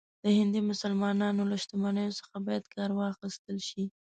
د هندي مسلمانانو له شتمنیو څخه باید کار واخیستل شي.